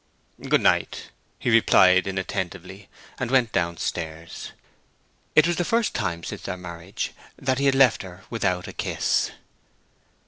"Good night," he replied, inattentively, and went down stairs. It was the first time since their marriage that he had left her without a kiss.